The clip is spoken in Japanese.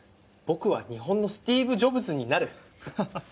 「僕は日本のスティーブ・ジョブズになる！」。